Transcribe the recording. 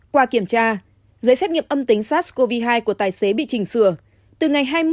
qua kiểm tra giấy xét nghiệm âm tính sars cov hai của tài xế bị chỉnh sửa từ ngày hai mươi một tám hai nghìn hai mươi một